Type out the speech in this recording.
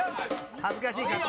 恥ずかしい格好。